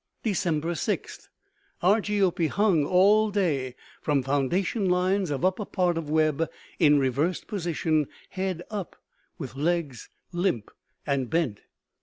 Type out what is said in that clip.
"Dec. 6; Argiope hung all day from foundation lines of upper part of web, in reversed position [head up], with legs limp and bent.